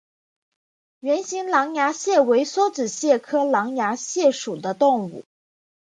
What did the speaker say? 圆形狼牙蟹为梭子蟹科狼牙蟹属的动物。